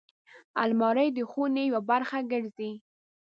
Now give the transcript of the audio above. الماري د خونې یوه برخه ګرځي